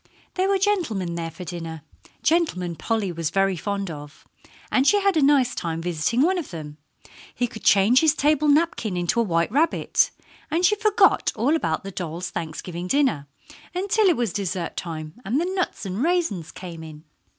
There were gentlemen there for dinner gentlemen Polly was very fond of and she had a nice time visiting with one of them. He could change his table napkin into a white rabbit, and she forgot all about the dolls' Thanksgiving dinner until it was dessert time, and the nuts and raisins came in.